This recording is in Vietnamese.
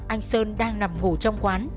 anh sơn đang nằm ngủ trong quán